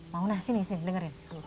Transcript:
mauna sini sini dengerin